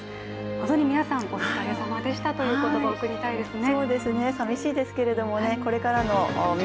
本当に皆さん、お疲れさまでしたという言葉を送りたいですね。